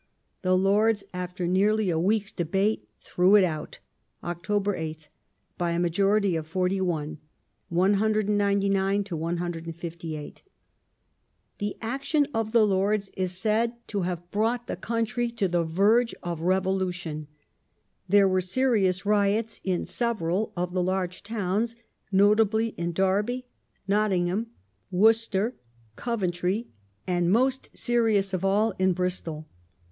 The Lords, after nearly a week's debate, threw it out (Oct. 8th) by a majority of 41 (199 to 158). Reform '^^^ action of the Lords is said to have brought the country to riots the verge of revolution. There were serious riots in several of the large towns, notably in Derby, Nottingham, Worcester, Coventry, and — most serious of all — in Bristol.